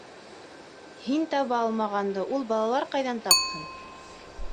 Һин таба алмағанды, ул балалар ҡайҙан тапһын?